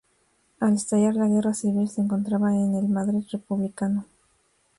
Al estallar la Guerra Civil, se encontraba en el Madrid republicano.